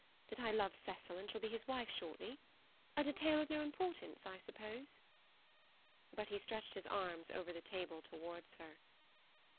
That I love Cecil and shall be his wife shortly? A detail of no importance, I suppose?" But he stretched his arms over the table towards her.